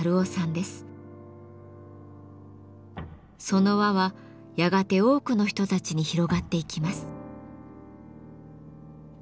その輪はやがて多くの人たちに広がっていきます。